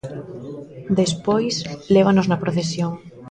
Despois lévanos na procesión.